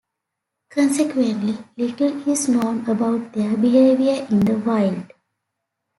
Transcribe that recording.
Consequently, little is known about their behaviour in the wild.